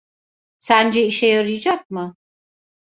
Sence işe yarayacak mı?